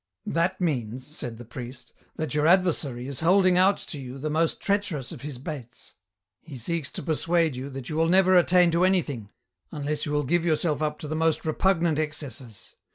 " That means," said the priest, " that your adversary is holding out to you the most treacherous of his baits. He seeks to persuade you that you will never attain to any thing unless you will give yourself up to the most repug nant excesses.